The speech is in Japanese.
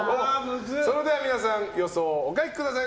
それでは皆さん予想をお書きください。